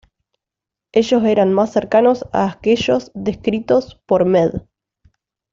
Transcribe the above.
Ellos eran más cercanos a aquellos descritos por Mead.